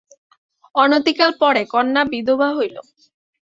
অনতিকাল পরে কন্যা বিধবা হইল।